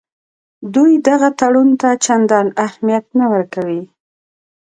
دوی دغه تړون ته چندان اهمیت نه ورکوي.